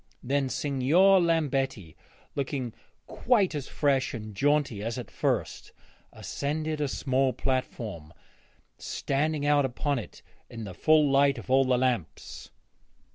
Then Signor Lambetti, looking quite as fresh and jaunty as at first, ascended a small platform, standing out upon it in the full light of all the lamps.